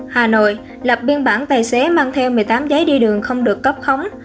hà nội lập biên bản tài xế mang theo một mươi tám giấy đi đường không được cấp khống